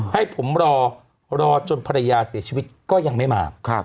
ให้ผมรอรอจนภรรยาเสียชีวิตก็ยังไม่มา